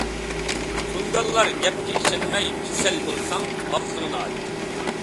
تۇڭگانلار گەپكە ئىشەنمەي، كېسەل بولساڭ ئاغزىڭنى ئاچ!